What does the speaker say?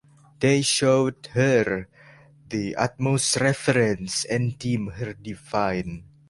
They showed her the utmost reverence and deemed her divine.